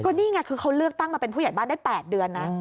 นี่ไงคือเขาเลือกตั้งมาเป็นผู้ใหญ่บ้านได้๘เดือนนะ